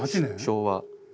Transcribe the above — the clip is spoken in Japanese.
昭和。